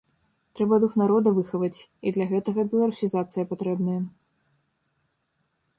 Трэба дух народа выхаваць, і для гэтага беларусізацыя патрэбная.